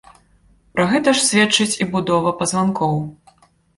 Пра гэта ж сведчыць і будова пазванкоў.